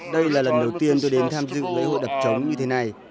đây là lần đầu tiên tôi đến tham dự lễ hội đập trống như thế này